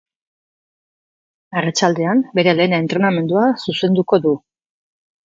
Arratsaldean, bere lehen entrenamendua zuzenduko du.